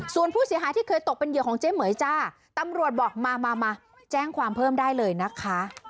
ส่วนผู้เสียหายที่เคยตกเป็นเหยื่อของเจ๊เหม๋ยจ้าตำรวจบอกมามาแจ้งความเพิ่มได้เลยนะคะ